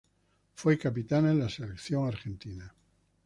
Fue capitana de la Selección argentina.